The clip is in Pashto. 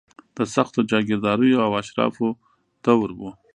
د سختو جاګیرداریو او اشرافو دور و.